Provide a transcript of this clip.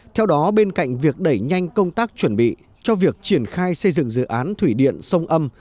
theo đó bên cạnh việc đẩy nhanh công tác chuẩn bị cho việc triển khai xây dựng dự án thủy điện sông âm